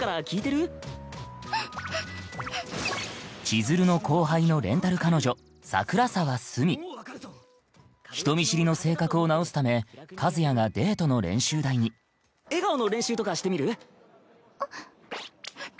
千鶴の後輩のレンタル彼女人見知りの性格を直すため和也がデートの練習台に笑顔の練習とかしてみる？